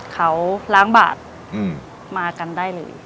เขาล้างบาดมากันได้เลย